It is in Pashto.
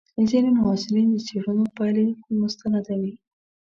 ځینې محصلین د څېړنو پایلې مستندوي.